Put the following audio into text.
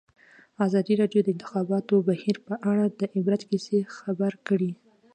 ازادي راډیو د د انتخاباتو بهیر په اړه د عبرت کیسې خبر کړي.